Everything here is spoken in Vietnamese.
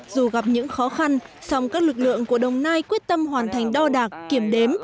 dù gặp những khó khăn song các lực lượng của đồng nai quyết tâm hoàn thành đo đạc kiểm đếm